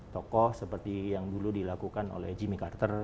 tokoh seperti yang dulu dilakukan oleh jimmy carter